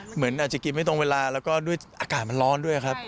เหมือนอาจจะกินไม่ตรงเวลาแล้วก็ด้วยอากาศมันร้อนด้วยครับ